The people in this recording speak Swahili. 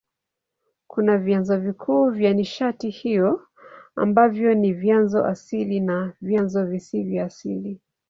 Kuna vyanzo vikuu vya nishati hiyo ambavyo ni vyanzo asili na vyanzo visivyo asili.